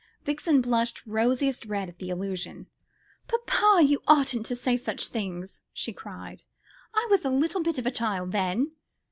Vixen blushed rosiest red at the allusion. "Papa, you oughtn't to say such things," she cried; "I was a little bit of a child then."